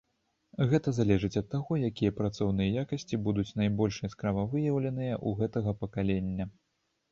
Гэта залежыць ад таго, якія працоўныя якасці будуць найбольш яскрава выяўленыя ў гэтага пакалення.